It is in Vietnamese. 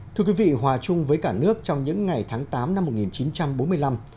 thưa quý vị hòa chung với cả nước trong những ngày tháng tám năm một nghìn chín trăm bốn mươi năm